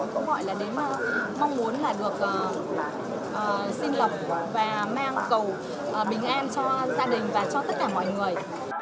cũng gọi là đến mong muốn là được xin lọc và mang cầu bình an cho gia đình và cho tất cả mọi người